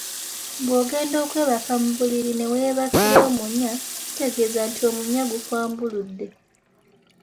Bw’ogenda okwebaka mu buliri ne weebakira omunya, kitegeeza nti omunya gukwambuludde.